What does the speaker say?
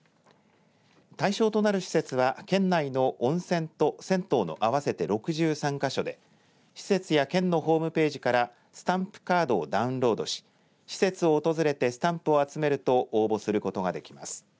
対象となる施設は県内の温泉と銭湯の合わせて６３か所で施設や県のホームページからスタンプカードをダウンロードし施設を訪れてスタンプを集めると応募することができます。